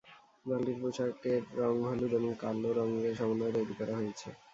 দলটির পোশাকের রং হলুদ এবং কালো রং এর সমন্বয়ে তৈরী করা হয়েছে।